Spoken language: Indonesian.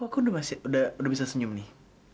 aku udah bisa senyum nih